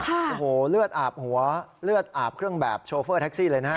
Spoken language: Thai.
โอ้โหเลือดอาบหัวเลือดอาบเครื่องแบบโชเฟอร์แท็กซี่เลยนะฮะ